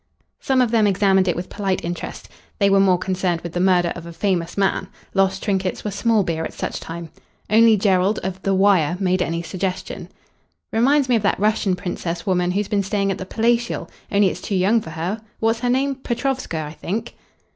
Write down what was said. Some of them examined it with polite interest. They were more concerned with the murder of a famous man. Lost trinkets were small beer at such time. Only Jerrold of The Wire made any suggestion. "Reminds me of that Russian princess woman who's been staying at the Palatial, only it's too young for her. What's her name? Petrovska, I think."